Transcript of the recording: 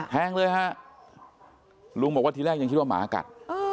แทงเลยฮะลุงบอกว่าทีแรกยังคิดว่าหมากัด